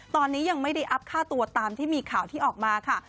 ตอนนี้ยังไม่ได้อัพค่าตัวตามที่มีข่าวที่ออกมาค่ะ